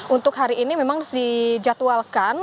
untuk hari ini memang dijadwalkan